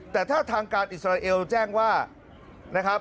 แต่ถ้าทางการอิสราเอลแจ้งว่า